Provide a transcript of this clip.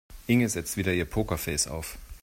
Inge setzte wieder ihr Pokerface auf.